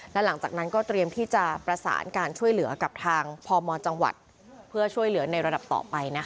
และหลังจากนั้นก็เตรียมที่จะประสานการช่วยเหลือกับทางพมจังหวัดเพื่อช่วยเหลือในระดับต่อไปนะคะ